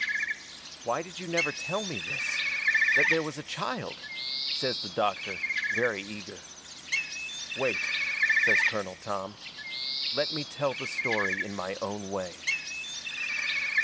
"Why did you never tell me this that there was a child?" says the doctor, very eager. "Wait," says Colonel Tom, "let me tell the story in my own way."